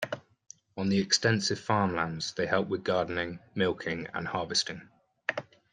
On the extensive farm lands, they helped with gardening, milking and harvesting.